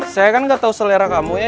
saya kan nggak tahu selera kamu ya